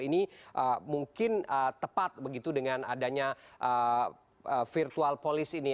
ini mungkin tepat begitu dengan adanya virtual police ini